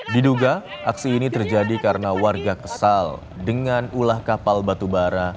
diduga aksi ini terjadi karena warga kesal dengan ulah kapal batubara